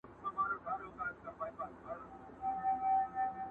o په درنو دروند، په سپکو سپک٫